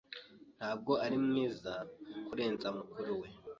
Ntabwo ari mwiza kurenza mukuru we.